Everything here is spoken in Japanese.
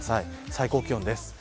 最高気温です。